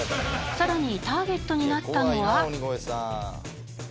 さらにターゲットになったのは。